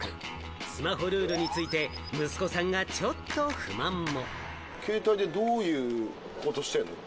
スマホルールについて息子さんがちょっと不満も。